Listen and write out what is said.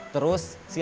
terus siapa yang sakit